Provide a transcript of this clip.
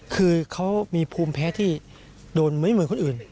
คือเขามีภูมิแพ้ที่โดนไม่เหมือนคนอื่น